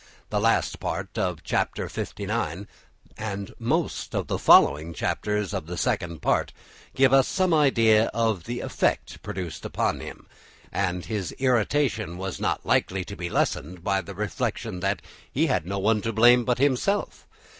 The last half of Chapter LIX and most of the following chapters of the Second Part give us some idea of the effect produced upon him, and his irritation was not likely to be lessened by the reflection that he had no one to blame but himself.